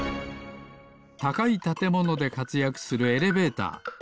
たかいたてものでかつやくするエレベーター。